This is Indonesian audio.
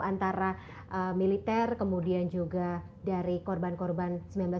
antara militer kemudian juga dari korban korban seribu sembilan ratus sembilan puluh